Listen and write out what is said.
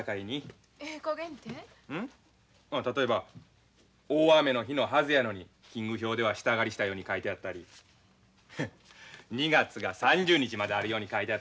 例えば大雨の日のはずやのに勤務表では下刈りしたように書いてあったり２月が３０日まであるように書いてあったりするんや。